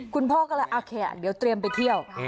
คุณพ่อก็เลยโอเคเดี๋ยวเตรียมไปเที่ยว